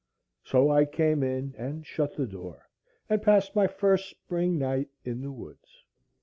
So I came in, and shut the door, and passed my first spring night in the woods.